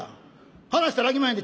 離したらあきまへんで。